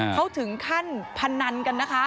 เขาถึงขั้นพันธุ์มาล่ะกันนะคะ